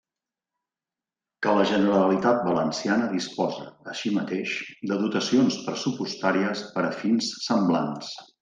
Que la Generalitat Valenciana disposa, així mateix, de dotacions pressupostàries per a fins semblants.